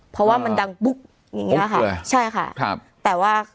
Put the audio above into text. เพราะว่ามันดังปุ๊บใช่ค่ะแต่ว่า